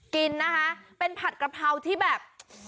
กินนะคะเป็นผัดกะเพราที่แบบ